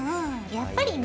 やっぱりね。ね